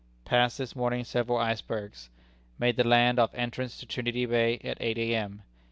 Passed this morning several icebergs. Made the land off entrance to Trinity Bay at eight A.M.